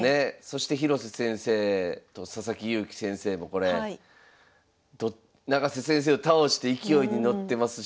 そして広瀬先生と佐々木勇気先生もこれ永瀬先生を倒して勢いに乗ってますし。